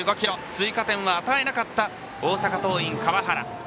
追加点は与えなかった大阪桐蔭、川原。